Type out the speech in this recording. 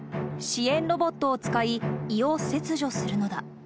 支援ロボットを使い、胃を切除するのだ。